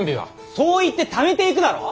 そう言ってためていくだろう？